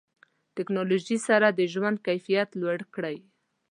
ټکنالوژي سره د ژوند کیفیت لوړ کړئ.